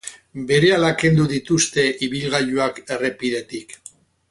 Berehala kendu dituzte ibilgailuak errepidetik.